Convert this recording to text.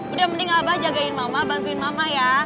udah mending abah jagain mama bantuin mama ya